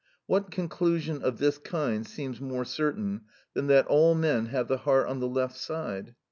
What conclusion of this kind seems more certain than that all men have the heart on the left side?